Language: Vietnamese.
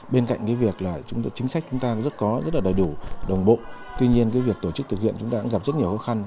bên cạnh việc chính sách chúng ta rất đầy đủ đồng bộ tuy nhiên việc tổ chức thực hiện chúng ta cũng gặp rất nhiều khó khăn